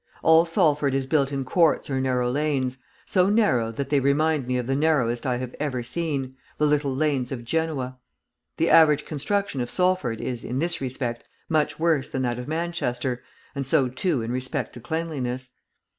All Salford is built in courts or narrow lanes, so narrow, that they remind me of the narrowest I have ever seen, the little lanes of Genoa. The average construction of Salford is in this respect much worse than that of Manchester, and so, too, in respect to cleanliness.